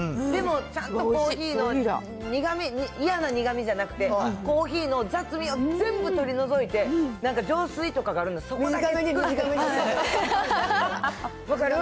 でもちゃんとコーヒーの苦み、嫌な苦みじゃなくて、コーヒーの雑味を全部取り除いて、なんか浄水とかがあって、そこだけ。